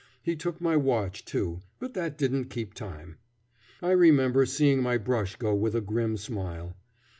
He took my watch, too, but that didn't keep time. I remember seeing my brush go with a grim smile.